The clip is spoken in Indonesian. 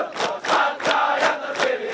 kostra yang terpilih